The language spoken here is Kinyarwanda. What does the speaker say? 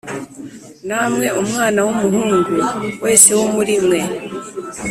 Namwe umwana w umuhungu wese wo muri mwe